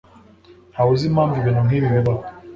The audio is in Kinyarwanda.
Ntawe uzi impamvu ibintu nkibi bibaho.